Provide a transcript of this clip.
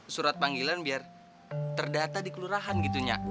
surat panggilan biar terdata di kelurahan gitu